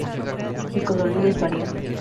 El colorido es variado.